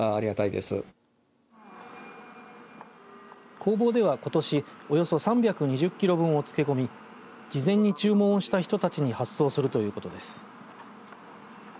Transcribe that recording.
工房では、ことし３２０キロ分を漬け込み事前に注文をした人たちに発送するということです。